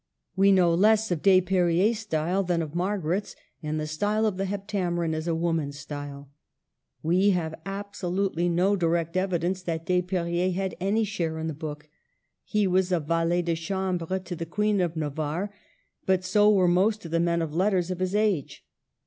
We know less of Des perriers's style than of Margaret's, and the style of the " Heptameron " is a woman's style. We have absolutely no direct evidence that Desper riers had any share in the book. He was a valet de chainbreX.0 the Queen of Navarre, but so were most of the men of letters of his age.